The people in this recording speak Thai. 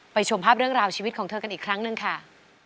ชมภาพเรื่องราวชีวิตของเธอกันอีกครั้งหนึ่งค่ะ